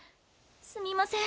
すみません。